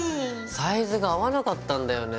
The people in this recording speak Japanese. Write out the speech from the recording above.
サイズが合わなかったんだよね。